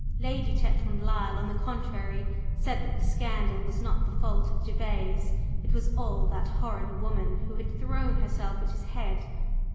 Lady Chetwynd Lyle, on the contrary, said that the "scandal" was not the fault of Gervase; it was all "that horrid woman," who had thrown herself at his head.